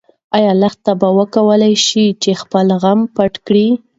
ايا لښتې به وکولی شي چې خپل غم پټ کړي؟